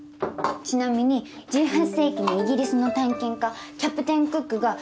ちなみに１８世紀のイギリスの探検家キャプテンクックが。